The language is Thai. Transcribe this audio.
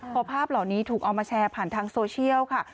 พอภาพเหล่านี้ถูกเอามาแชร์ผ่านทางโซเชียลค่ะ